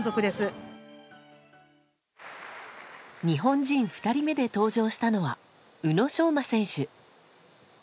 日本人２人目で登場したのは宇野昌磨選手。